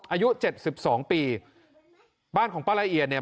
อายุเจ็ดสิบสองปีบ้านของป้าละเอียดเนี่ย